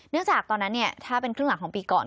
จากตอนนั้นถ้าเป็นครึ่งหลังของปีก่อน